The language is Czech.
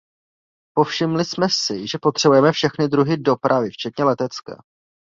Povšimli jsme si, že potřebujeme všechny druhy dopravy, včetně letecké.